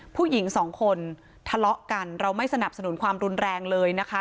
ผู้หญิงสองคนทะเลาะกันเราไม่สนับสนุนความรุนแรงเลยนะคะ